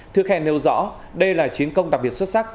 thư khen nêu rõ đây là chiến công đặc biệt xuất sắc